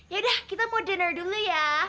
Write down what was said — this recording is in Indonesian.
yaudah kita mau dinner dulu ya